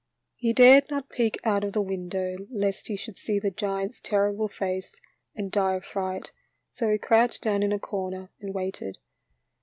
He dared not peek out of the window lest he should see the giant's terrible face and die of fright, so he crouched down in a corner and waited.